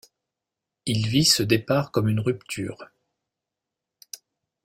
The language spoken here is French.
Il vit ce départ comme une rupture.